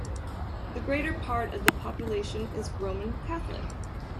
The greater part of the population is Roman Catholic.